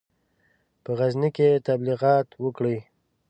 په غزني کې تبلیغات وکړي.